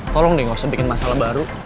tolong deh gak usah bikin masalah baru